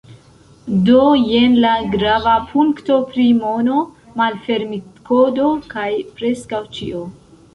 Do, jen la grava punkto pri mono, malfermitkodo kaj preskaŭ ĉio